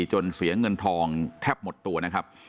จนเสียเงินทองแทบหมดตัวนะครับ